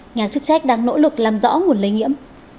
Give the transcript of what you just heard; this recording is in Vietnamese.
nhà chức trách đang nỗ lực làm rõ nguồn lây nhiễm